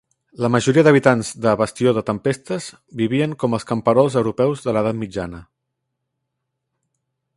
La majoria d"habitants de Bastió de Tempestes vivien com els camperols europeus de l"Edat Mitjana.